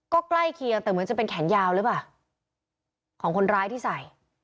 ก็ใกล้เคียงแต่เหมือนจะเป็นแขนยาวหรือเปล่าของคนร้ายที่ใส่